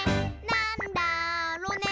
なんだろね。